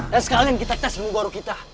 dan sekalian kita tes ilmu guru kita